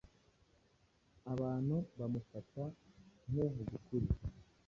abantu bamufata nk’uvuga ukuri